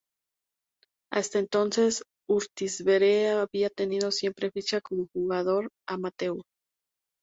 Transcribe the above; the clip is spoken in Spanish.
Hasta entonces Urtizberea había tenido siempre ficha como jugador amateur.